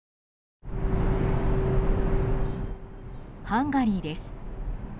ハンガリーです。